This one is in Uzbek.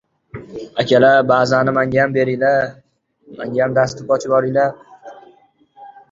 — Yo‘q. — Abdujabbor keskin bosh chayqadi. —o‘zim qarzimni uzgani keldim.